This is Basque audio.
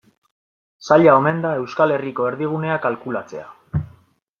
Zaila omen da Euskal Herriko erdigunea kalkulatzea.